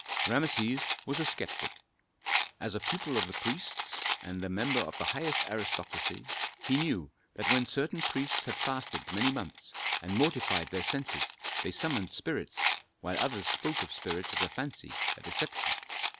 Rameses was a sceptic. As a pupil of the priests, and a member of the highest aristocracy, he knew that when certain priests had fasted many months and mortified their senses they summoned spirits, while others spoke of spirits as a fancy, a deception.